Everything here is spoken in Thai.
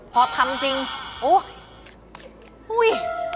พอทำจริงอุ๊ย